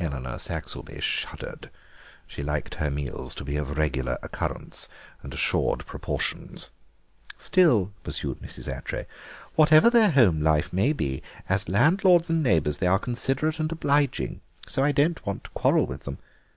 Eleanor Saxelby shuddered. She liked her meals to be of regular occurrence and assured proportions. "Still," pursued Mrs. Attray, "whatever their own home life may be, as landlords and neighbours they are considerate and obliging, so I don't want to quarrel with them.